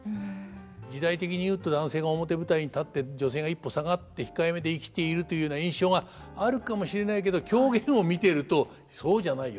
時代的にいうと男性が表舞台に立って女性が一歩下がって控えめで生きているというような印象があるかもしれないけど狂言を見ているとそうじゃないよ。